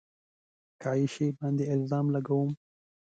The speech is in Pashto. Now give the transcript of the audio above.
که عایشې باندې الزام لګوم